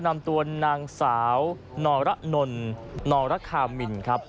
นำตัวนางสาวนรนนรคามินครับ